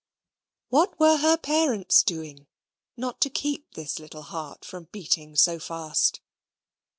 What were her parents doing, not to keep this little heart from beating so fast?